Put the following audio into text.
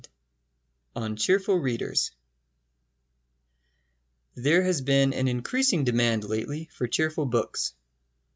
VII ON CHEERFUL READERS There has been an increasing demand lately for cheerful books.